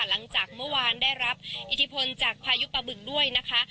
หลังจากเมื่อวานได้รับอิทธิพลจากพายุปะบึงด้วยนะคะ